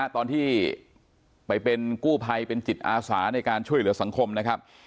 ตอนที่ไปเป็นกู้ภัยเป็นจิตอาสาในการช่วยเหลือสังคมนะครับ